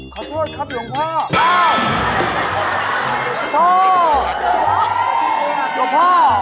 ขอโทษครับหุ่งพ่อ